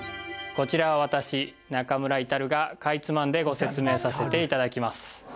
こちらは私中村造がかいつまんでご説明させていただきます